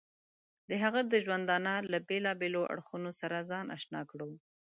د هغه د ژوندانه له بېلابېلو اړخونو سره ځان اشنا کړو.